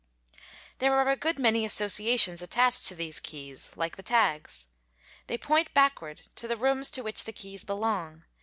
There are a good many associations attached to these keys, like the tags. They point backward to the rooms to which the keys belong.